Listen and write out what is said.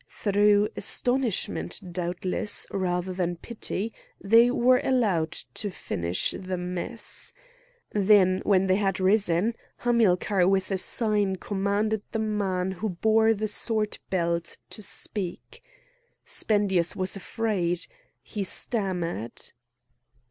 Through astonishment, doubtless, rather than pity, they were allowed to finish the mess. Then when they had risen Hamilcar with a sign commanded the man who bore the sword belt to speak. Spendius was afraid; he stammered.